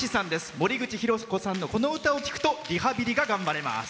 森口博子さんのこの歌を聴くとリハビリが頑張れます。